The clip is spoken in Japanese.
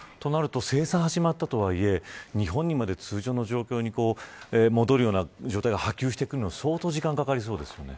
生産が始まったとはいえ日本も通常の状態に戻るような状態が波及してくるのは相当な時間がかかりそうですね。